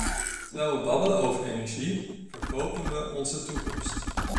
Terwijl we babbelen over energie, verkopen we onze toekomst.